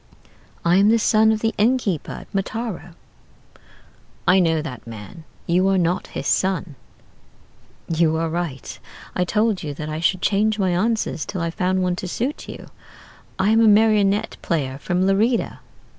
I am the son of the innkeeper at Mataro.' "'I know that man: you are not his son.' "'You are right: I told you that I should change my answers till I found one to suit you. I am a marionette player from Lerida.'